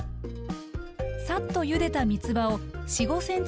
さっとゆでたみつばを４５ｃｍ